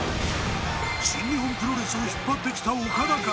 新日本プロレスを引っ張ってきたオカダか？